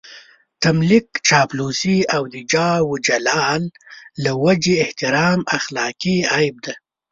تملق، چاپلوسي او د جاه و جلال له وجهې احترام اخلاقي عيب دی.